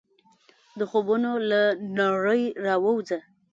د خوبونو له نړۍ راووځه !